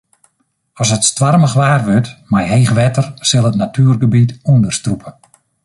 As it stoarmich waar wurdt mei heech wetter sil it natuergebiet ûnderstrûpe.